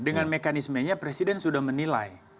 dengan mekanismenya presiden sudah menilai